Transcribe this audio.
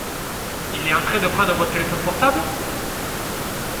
Il est en train de prendre votre téléphone portable ?